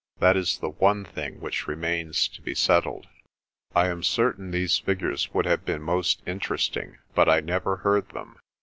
That is the one thing which remains to be settled." I am certain these figures would have been most inter esting, but I never heard them.